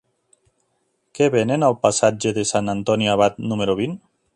Què venen al passatge de Sant Antoni Abat número vint?